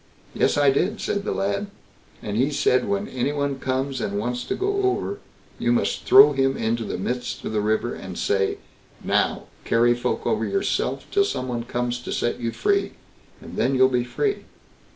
"Yes I did", said the lad, "and he said, 'When any one comes and wants to go over, you must throw him into the midst of the river, and say, "Now, carry folk over yourself till some one comes to set you free,"' and then you'll be free."